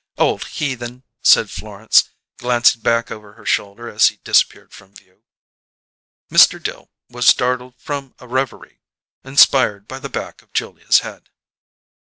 "Old heathen!" said Florence, glancing back over her shoulder as he disappeared from view. Mr. Dill was startled from a reverie inspired by the back of Julia's head.